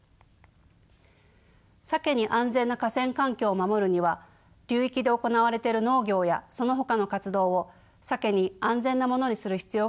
サケに安全な河川環境を守るには流域で行われている農業やそのほかの活動をサケに安全なものにする必要があるからです。